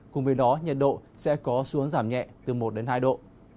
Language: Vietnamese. cùng với đó nhiệt độ sẽ có xuống giảm nhẹ từ một đến hai độ